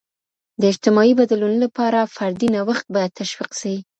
د اجتماعي بدلون لپاره، فردي نوښت باید تشویق سي.